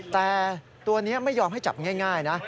แต่ตัวนี้ไม่ยอมให้จับง่ายนะ